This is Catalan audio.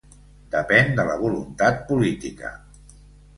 Depèn de la voluntat política.